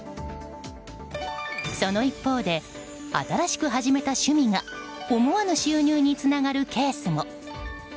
その一方で、新しく始めた趣味が思わぬ収入につながるケースも。